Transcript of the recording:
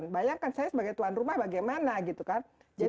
bayangkan saya sebagai tuan rumah bagaimana gitu kan